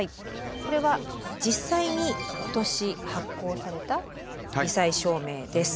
これは実際に今年発行されたり災証明です。